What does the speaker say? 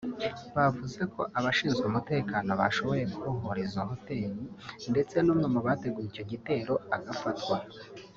bavuze ko abashinzwe umutekano bashoboye kubohoza izo hoteli ndetse n’umwe mu bateguye icyo gitero agafatwa